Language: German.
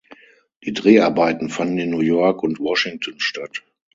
Die Dreharbeiten fanden in New York und in Washington statt.